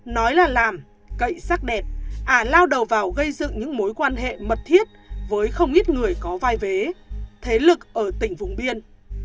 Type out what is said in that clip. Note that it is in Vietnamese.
nói là làm cậy sắc đẹp ả lao đầu vào gây dựng những mối quan hệ mật thiết với không ít người có vai vế thế lực ở tỉnh vùng biên